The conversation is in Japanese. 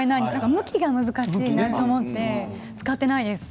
向きが難しいなと思って使っていないです。